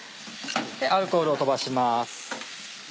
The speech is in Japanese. アルコールを飛ばします。